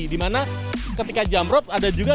di mana ketika jump rope ada juga